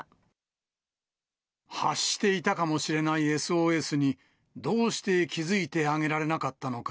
発していたかもしれないＳＯＳに、どうして気付いてあげられなかったのか。